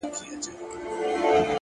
o كله؛ ناكله غلتيږي څــوك غوصه راځـي؛